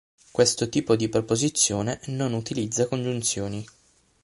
Questo tipo di proposizione non utilizza congiunzioni.